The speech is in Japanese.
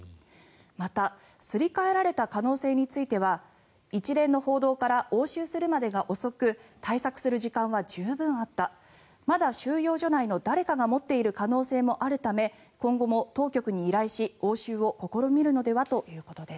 また、すり替えられた可能性については一連の報道から押収するまでが遅く対策する時間は十分あったまだ収容所内の誰かが持っている可能性もあるため今後も当局に依頼し、押収を試みるのではということです。